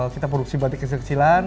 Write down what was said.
kita produksi batik kecil kecilan